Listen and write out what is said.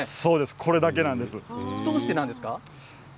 これだけなんです。